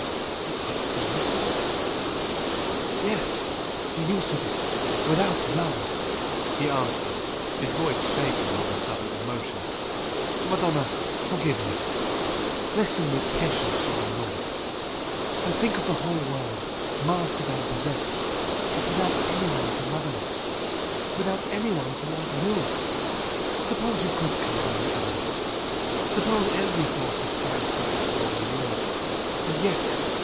You ask the use of it? " "Yes the use of it without love!" he answered, his voice shaken with a sudden emotion "Madonna, forgive me! Listen with patience for one moment! and think of the whole world mastered and possessed but without anyone to love in it without anyone to love YOU! Suppose you could command the elements suppose every force that science could bestow were yours, and yet!